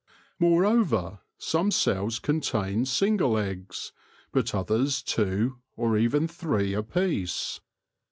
Moreover, some cells contain single eggs, but others two, or even three, apiece.